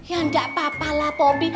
ya gak apa apalah popi